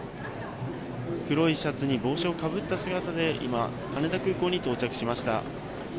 黒いシャツに黒い帽子をかぶった姿で今、羽田空港に到着しました。